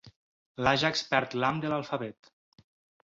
L'Ajax perd l'ham de l'alfabet.